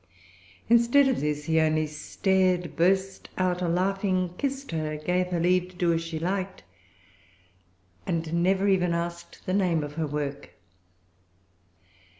Instead of this, he only stared, burst out a laughing, kissed her, gave her leave to do as she liked, and never even asked the name of her work.